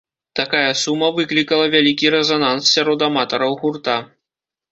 Такая сума выклікала вялікі рэзананс сярод аматараў гурта.